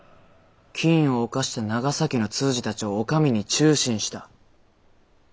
禁を犯した長崎の通詞たちをお上に注進した。